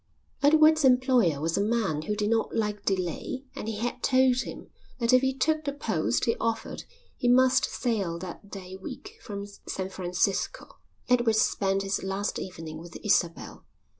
Edward's employer was a man who did not like delay and he had told him that if he took the post he offered he must sail that day week from San Francisco. Edward spent his last evening with Isabel.